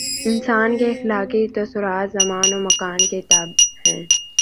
انسان کے اخلاقی تصورات زمان و مکان کے تابع ہیں۔